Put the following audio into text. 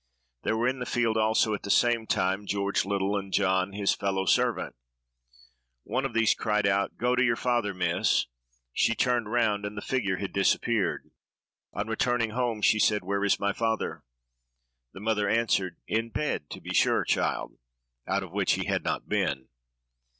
There were in the field also, at the same moment, George Little, and John, his fellow servant. One of these cried out, 'Go to your father, miss!' She turned round, and the figure had disappeared. On returning home, she said, 'Where is my father?' The mother answered, 'In bed, to be sure, child!'—out of which he had not been."